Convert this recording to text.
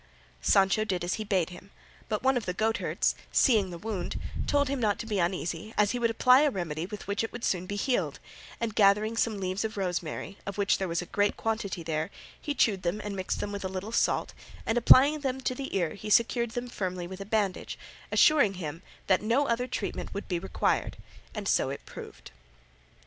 Sancho did as he bade him, but one of the goatherds, seeing the wound, told him not to be uneasy, as he would apply a remedy with which it would be soon healed; and gathering some leaves of rosemary, of which there was a great quantity there, he chewed them and mixed them with a little salt, and applying them to the ear he secured them firmly with a bandage, assuring him that no other treatment would be required, and so it proved.